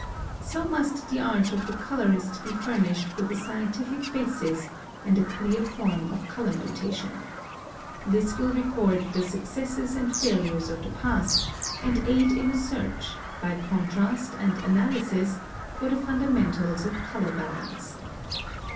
(86) So must the art of the colorist be furnished with a scientific basis and a clear form of color notation. This will record the successes and failures of the past, and aid in a search, by contrast and analysis, for the fundamentals of color balance.